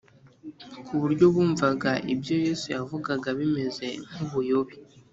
ku buryo bumvaga ibyo yesu yavugaga bimeze nk’ubuyobe